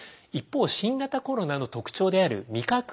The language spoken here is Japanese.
一方新型コロナの特徴である味覚